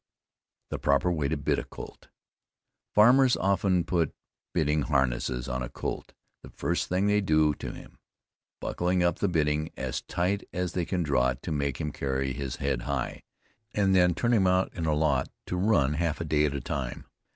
THE PROPER WAY TO BIT A COLT. Farmers often put bitting harness on a colt the first thing they do to him, buckling up the bitting as tight as they can draw it to make him carry his head high, and then turn him out in a lot to run a half day at a time.